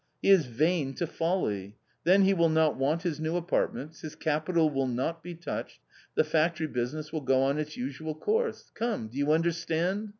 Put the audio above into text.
He is vain to folly. Then he will not want his new apartments ; his capital will not be touched ; the factory business will go on its usual course ; come, do you understand?